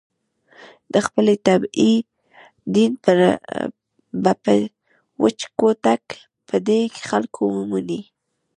د خپلې طبعې دین به په وچ کوتک په دې خلکو ومني.